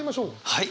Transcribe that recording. はい。